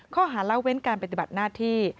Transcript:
ข้อหาเล่าเว้นการปฏิบัติหน้าที่